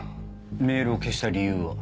メールを消した理由は？